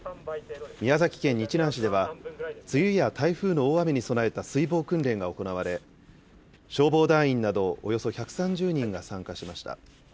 宮崎県日南市では、梅雨や台風の大雨に備えた水防訓練が行われ、消防団員など、およそ１３０人が参加しました。